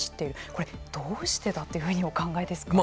これどうしてだっていうふうにお考えですか？